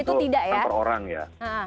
itu tidak untuk sampel orang ya